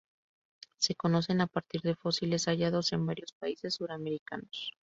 Se conocen a partir de fósiles hallados en varios países suramericanos.